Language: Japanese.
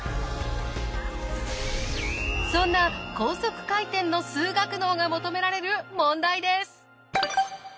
そんな高速回転の数学脳が求められる問題です。